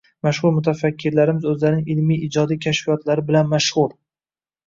Mashhur mutafakkirlarimiz oʻzlarining ilmiy-ijodiy kashfiyotlari bilan mashhur